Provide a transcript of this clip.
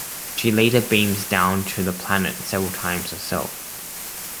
She later beams down to the planet several times herself.